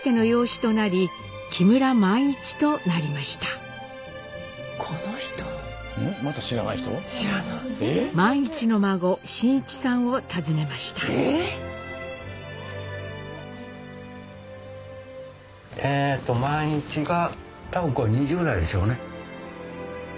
⁉えと萬一が多分これ２０代でしょうね。